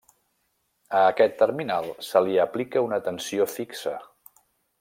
A aquest terminal se li aplica una tensió fixa.